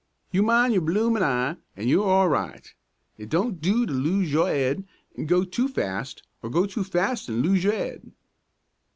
"You mind your bloomin' eye an' you're all right. It don't do to lose your 'ead an' go too fast, or go too fast an' lose your 'ead."